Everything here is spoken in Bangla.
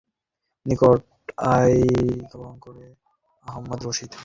তিনি প্রথম পর্যায়ে রশিদ আহমদ গাঙ্গুহির নিকট বায়আত গ্রহণ করেন।